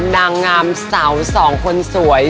นางงามสาวสองคนสวย